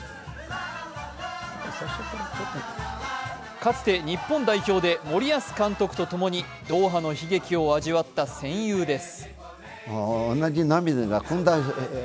かつて日本代表で森保監督と共にドーハの悲劇を味わった戦友です。